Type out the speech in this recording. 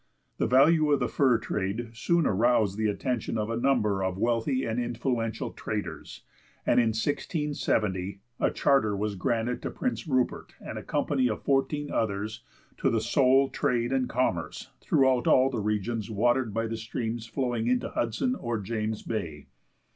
The value of the fur trade soon aroused the attention of a number of wealthy and influential traders, and in 1670 a charter was granted to Prince Rupert and a company of fourteen others, to "the sole trade and commerce" throughout all the regions watered by streams flowing into Hudson or James Bay.